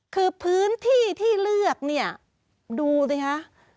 คือพื้นที่ที่เลือกเนี่ยดูสิคะ